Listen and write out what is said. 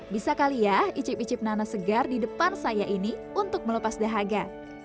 bisa kali ya icip icip nanas segar di depan saya ini untuk melepas dahaga